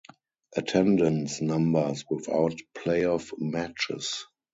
Attendance numbers without playoff matches.